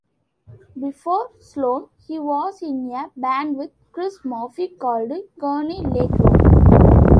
Before Sloan, he was in a band with Chris Murphy called Kearney Lake Road.